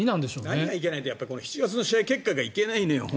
何がいけないって７月の試合結果がいけないのよ。